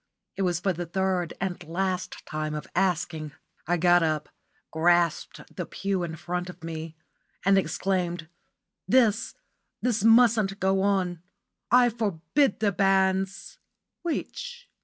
It was for the third and last time of asking. I got up, grasped the pew in front of me, and exclaimed: "This this mustn't go on. I forbid the banns!" "Which?"